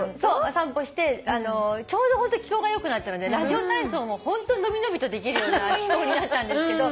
散歩してちょうど気候が良くなったのでラジオ体操もホントに伸び伸びとできるような気候になったんですけど。